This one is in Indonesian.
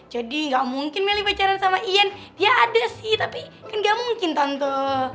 jadi ga mungkin meli pacaran sama ian dia ada sih tapi ga mungkin tante